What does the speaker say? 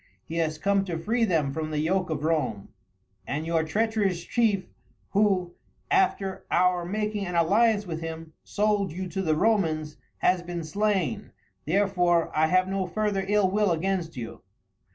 He has come to free them from the yoke of Rome, and your treacherous chief, who, after our making an alliance with him, sold you to the Romans, has been slain, therefore I have no further ill will against you."